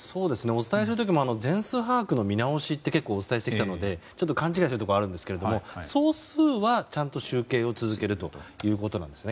お伝えする時も、全数把握の見直しってお伝えしてきたので勘違いしていたところがあると思うんですが総数はちゃんと集計を続けるということです。